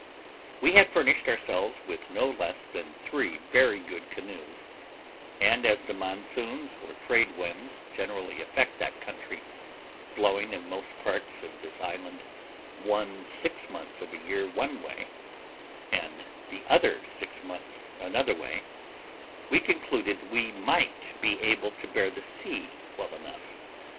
We had furnished ourselves with no less than three very good canoes; and as the monsoons, or trade winds, generally affect that country, blowing in most parts of this island one six months of a year one way, and the other six months another way, we concluded we might be able to bear the sea well enough.